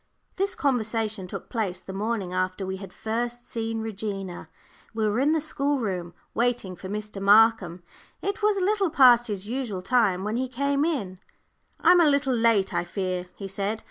This conversation took place the morning after we had first seen Regina. We were in the schoolroom, waiting for Mr. Markham. It was a little past his usual time when he came in. "I'm a little late, I fear," he said.